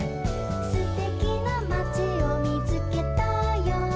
「すてきなまちをみつけたよ」